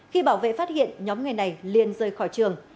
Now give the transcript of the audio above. khi bảo vệ phát hiện nhóm người này liền rơi khỏi trường